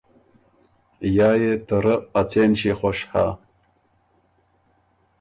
یا يې ته رۀ ا څېن ݭيې خوش هۀ۔